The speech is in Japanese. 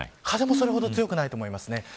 風もそれほど強くないと思いますね。